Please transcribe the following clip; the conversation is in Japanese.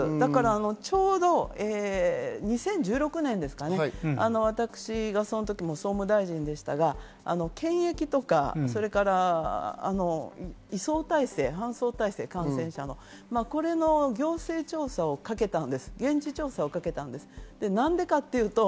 ちょうど２０１６年ですかね、私がその時総務大臣でしたが、検疫とか、移送体制、搬送体制、感染者の、行政調査をかけたんです、現地調査を。